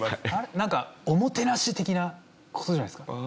なんかおもてなし的な事じゃないですか？